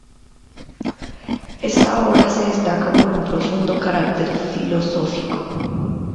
Esa obra se destaca por un profundo carácter filosófico.